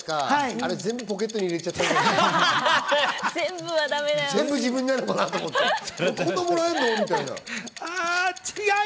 あれ全部ポケットに入れちゃったんじゃない？